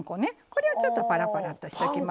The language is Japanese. これをちょっとパラパラッとしときましょう。